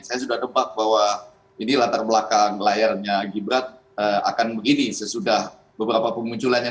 saya sudah tebak bahwa ini latar belakang layarnya gibrat akan begini sesudah beberapa pengunculannya